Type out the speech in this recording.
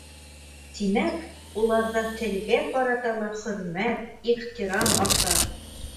Тимәк, уларҙа телгә ҡарата ла хөрмәт, ихтирам арта.